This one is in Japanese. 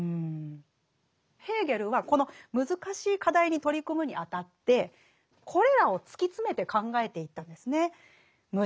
ヘーゲルはこの難しい課題に取り組むにあたってこれらを突き詰めて考えていったんですね。